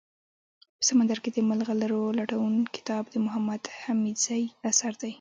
په سمندر کي دملغلرولټون کتاب دمحمودحميدزي اثر دئ